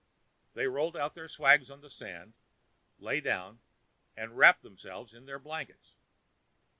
They rolled out their swags on the sand, lay down, and wrapped themselves in their blankets.